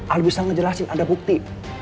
kalau bisa ngejelasin ada bukti